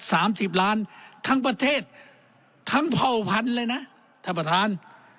สามสิบล้านทั้งประเทศทั้งเผ่าพันเลยนะท่านประธาน